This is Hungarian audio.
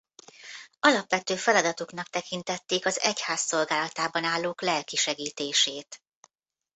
Alapvető feladatuknak tekintették az egyház szolgálatában állók lelki segítését.